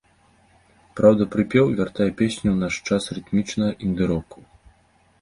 Праўда, прыпеў вяртае песню ў наш час рытмічнага інды-року.